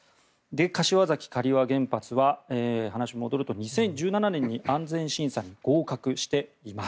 柏崎刈羽原発は話が戻ると２０１７年に安全審査に合格しています。